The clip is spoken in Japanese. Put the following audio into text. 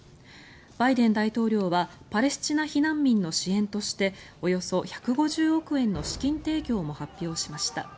バイデン大統領はパレスチナ避難民の支援としておよそ１５０億円の資金提供も発表しました。